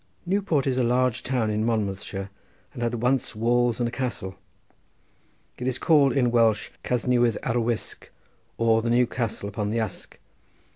Newport is a large town in Monmouthshire, and had once walls and a castle. It is called in Welsh Cas Newydd ar Wysg, or the New Castle upon the Usk.